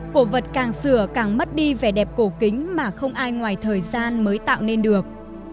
cổ vật càng sửa càng mất đi vẻ đẹp cổ kính mà không ai ngoài thời gian mới tạo nên được